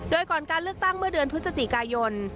โดยก่อนการเลือกตั้งเมื่อเดือนพฤศจิกายน